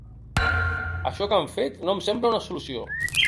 Això que han fet no em sembla una solució.